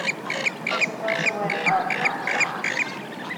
I suppose it went out at last.